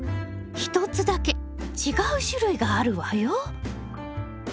一つだけ違う種類があるわよ。